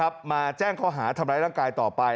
มาแจ้งข้อหาทำร้ายร่างกายต่อไป